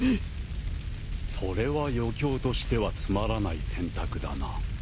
それは余興としてはつまらない選択だな。